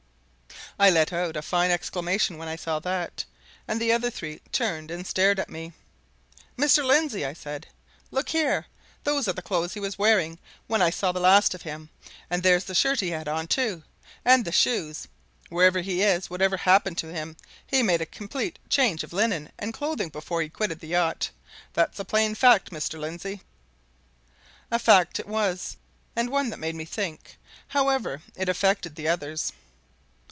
I let out a fine exclamation when I saw that, and the other three turned and stared at me. "Mr. Lindsey!" said I, "look here! Those are the clothes he was wearing when I saw the last of him. And there's the shirt he had on, too, and the shoes. Wherever he is, and whatever happened to him, he made a complete change of linen and clothing before he quitted the yacht! That's a plain fact, Mr. Lindsey!" A fact it was and one that made me think, however it affected the others.